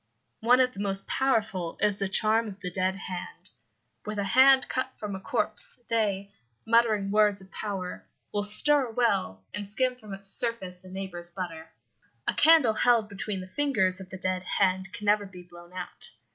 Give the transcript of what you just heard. One of the most powerful is the charm of the dead hand. With a hand cut from a corpse they, muttering words of power, will stir a well and skim from its surface a neighbour's butter. A candle held between the fingers of the dead hand can never be blown out.